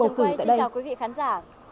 vâng xin chào chồng quay xin chào quý vị khán giả